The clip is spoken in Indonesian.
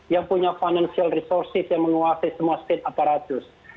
yang punya financial resources yang menguasai semua state aparatus